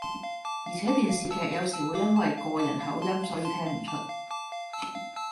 而且電視劇有時會因為個人口音所以聽唔出